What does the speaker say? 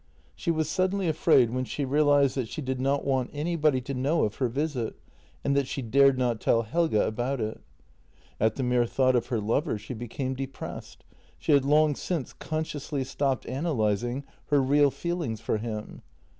She was sud denly afraid when she realized that she did not want anybody to know of her visit and that she dared not tell Helge about it. At the mere thought of her lover she became depressed; she had long since consciously stopped analysing her real feelings for him.